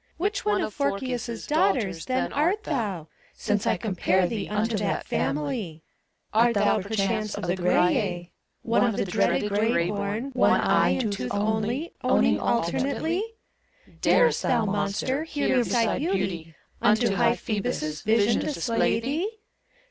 Which one of Phorkys' Daughters then art thouT Since I compare thee Unto that family. 140 FAUST. Art thou, perchance, of the Grai», One of the dreaded gray bom, One eye and tooth only Owning alternately? Darest thou, Monster, Here beside Beauty, Unto high Phoebus' Vision display thee?